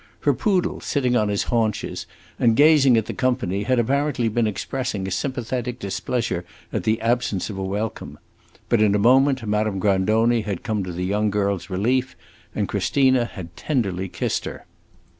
Her poodle, sitting on his haunches and gazing at the company, had apparently been expressing a sympathetic displeasure at the absence of a welcome. But in a moment Madame Grandoni had come to the young girl's relief, and Christina had tenderly kissed her.